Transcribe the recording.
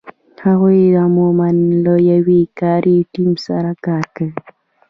هغوی عمومآ له یو کاري ټیم سره کار کوي.